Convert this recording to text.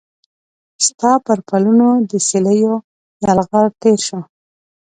ستا پر پلونو د سیلېو یلغار تیر شو